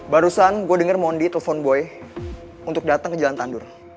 barusan gue denger mondi telepon gue untuk datang ke jalan tandur